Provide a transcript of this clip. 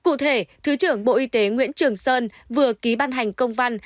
cụ thể thứ trưởng bộ y tế nguyễn trường sơn vừa ký ban hành công văn